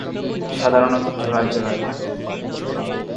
সাধারণত জোড়ায় জোড়ায় থাকে।